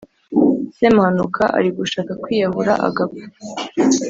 Semuhanuka arigushaka kwiyahura agapfa